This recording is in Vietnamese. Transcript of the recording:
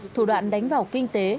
thủ đoạn đánh vào kinh tế